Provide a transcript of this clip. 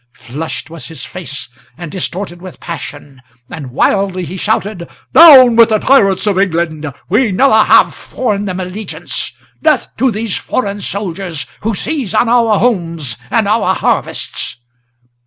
Flushed was his face and distorted with passion; and wildly he shouted, "Down with the tyrants of England! we never have sworn them allegiance! Death to these foreign soldiers, who seize on our homes and our harvests!"